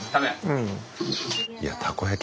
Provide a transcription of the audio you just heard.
うん。